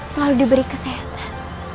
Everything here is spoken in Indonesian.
selalu diberi kesehatan